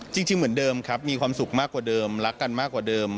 จริงเหมือนเดิมครับมีความสุขมากกว่าเดิมรักกันมากกว่าเดิม